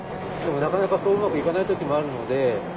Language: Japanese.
でもなかなかそううまくいかない時もあるので。